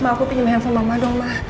ma aku pinjem handphone mama doang ma